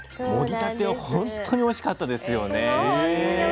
もぎたてはほんとにおいしかったですよね。